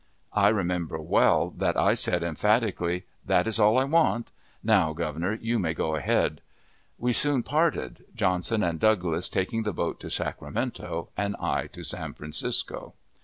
I remember well that I said, emphatically: "That is all I want. Now, Governor, you may go ahead." We soon parted; Johnson and Douglas taking the boat to Sacramento, and I to San Francisco.